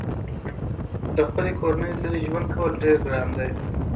له خپلې کورنۍ لرې ژوند کول ډېر ګران دي.